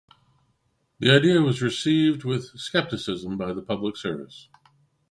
The idea was received with skepticism by the public service.